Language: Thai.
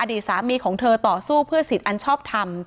ดีสามีของเธอต่อสู้เพื่อสิทธิ์อันชอบทำ